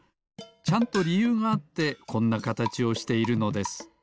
ちゃんとりゆうがあってこんなかたちをしているのです。